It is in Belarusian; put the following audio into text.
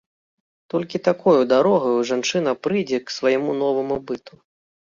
Толькі такою дарогаю жанчына прыйдзе к свайму новаму быту.